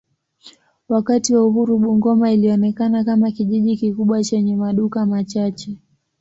Wakati wa uhuru Bungoma ilionekana kama kijiji kikubwa chenye maduka machache.